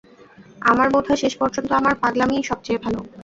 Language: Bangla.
আমার বোধ হয়, শেষ পর্যন্ত আমার পাগলামিই সব চেয়ে ভাল।